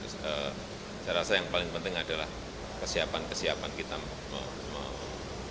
saya rasa yang paling penting adalah kesiapan kesiapan kita